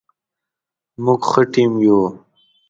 موږ ښه ټیم یو